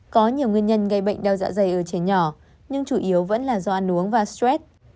có nhiều nguyên nhân gây bệnh đau dạ dày ở trẻ nhỏ nhưng chủ yếu vẫn là do ăn uống và stress